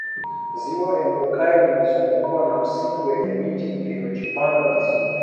ziwa empokai limezungukwa na msitu wenye miti iliyojipanga vizuri